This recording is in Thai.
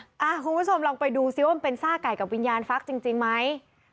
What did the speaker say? คุณผู้ชมลองไปดูซิว่ามันเป็นซ่าไก่กับวิญญาณฟักจริงไหม